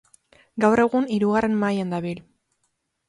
Gaur egun Hirugarren Mailan dabil.